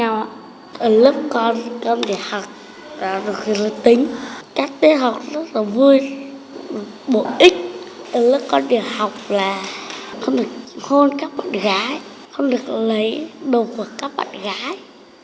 ở lớp con đề học là không được hôn các bạn gái không được lấy đồ của các bạn gái